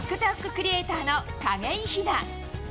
クリエーターの景井ひな。